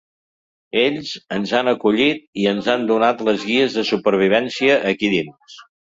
Ells ens han acollit i ens han donat les guies de supervivència aquí dins.